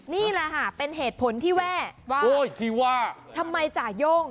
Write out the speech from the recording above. นี่แหละค่ะเป็นเหตุผลที่แว่ว่าทำไมจะโย่ง